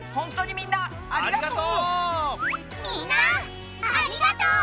みんなありがとう！